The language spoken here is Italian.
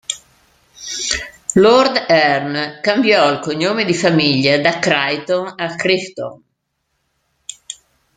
Lord Erne cambiò il cognome di famiglia da Creighton a Crichton.